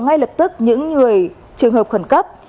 ngay lập tức những người trường hợp khẩn cấp